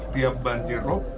tiap banjir rok